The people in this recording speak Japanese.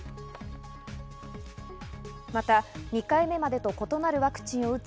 また、２回目までと異なるワクチンを打つ